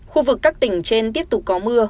khu vực các tỉnh trên tiếp tục có mưa